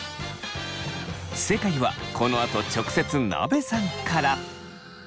正解はこのあと直接なべさんから。